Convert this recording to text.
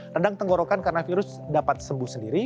rendang tenggorokan karena virus dapat sembuh sendiri